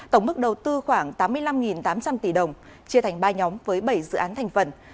tổng mức đầu tư khoảng tám mươi năm tám trăm linh tỷ đồng chia thành ba nhóm với bảy dự án thành phần